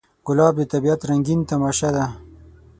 ګلاب د طبیعت رنګین تماشه ده.